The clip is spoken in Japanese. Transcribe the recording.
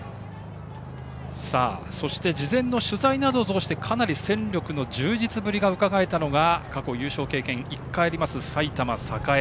そして事前の取材などを通してかなり戦力の充実ぶりがうかがえたのが過去優勝経験１回あります埼玉栄。